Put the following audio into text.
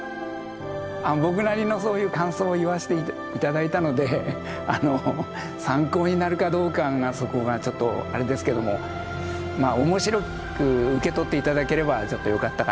僕なりのそういう感想を言わせて頂いたので参考になるかどうかがそこがちょっとあれですけれども面白く受け取って頂ければちょっとよかったかなとはい。